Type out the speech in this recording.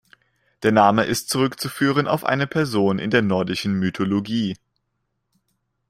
Der Name ist zurückzuführen auf eine Person in der nordischen Mythologie.